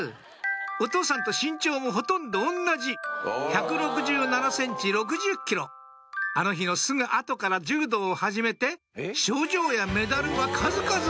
お父さんと身長もほとんど同じあの日のすぐ後から柔道を始めて賞状やメダルは数々！